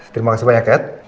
terima kasih banyak kat